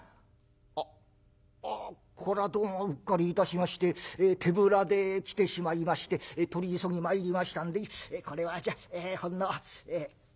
「あっこれはどうもうっかりいたしまして手ぶらで来てしまいまして取り急ぎ参りましたんでこれはじゃあほんの。